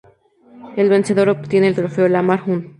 El vencedor obtiene el trofeo Lamar Hunt.